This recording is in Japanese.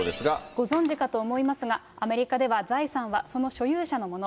ご存じかと思いますが、アメリカでは財産はその所有者のもの。